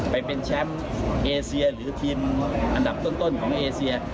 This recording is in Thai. ไปเป็นแชมป์เอเซียหรือทีมอันดับต้นของเอเซีย